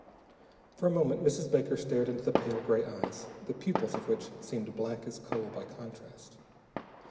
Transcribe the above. For a moment, Mrs. Baker stared into the pale gray eyes, the pupils of which seemed black as coal by contrast.